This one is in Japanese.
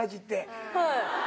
はい。